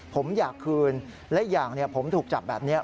ผมอยากคืนและอีกอย่างผมถูกจับแบบนี้